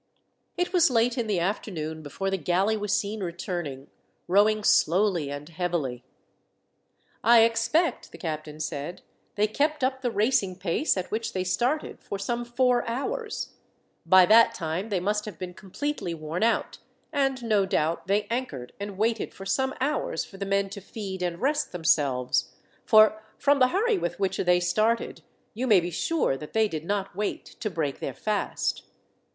It was late in the afternoon before the galley was seen returning, rowing slowly and heavily. "I expect," the captain said, "they kept up the racing pace at which they started for some four hours. By that time they must have been completely worn out, and no doubt they anchored and waited for some hours for the men to feed and rest themselves, for from the hurry with which they started you may be sure that they did not wait to break their fast.